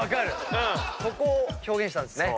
ここを表現したんですね。